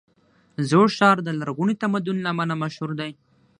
زوړ ښار د لرغوني تمدن له امله مشهور دی.